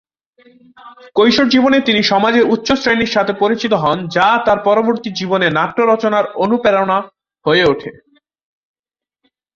কৈশোরে তিনি সমাজের উচ্চ শ্রেণির সাথে পরিচিত হন, যা তার পরবর্তী জীবনে নাট্য রচনার অনুপ্রেরণা হয়ে ওঠে।